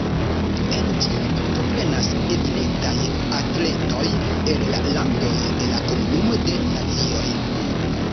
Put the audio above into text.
En ĝi partoprenas eminentaj atletoj el la landoj de la Komunumo de Nacioj.